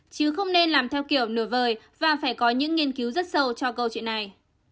chứ không nên làm theo kiểu nửa vời và phải có những nghiên cứu rất sâu cho câu chuyện này